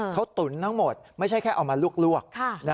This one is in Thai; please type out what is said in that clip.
เขาตุ๋นทั้งหมดไม่ใช่แค่เอามาลวก